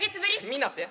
みんなって？